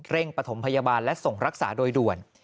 ปฐมพยาบาลและส่งรักษาโดยด่วน